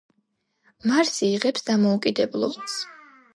მარსი იღებს დამოუკიდებლობას.